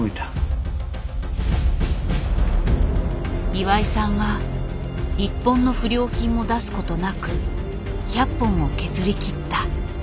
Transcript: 岩井さんは一本の不良品も出すことなく１００本を削りきった。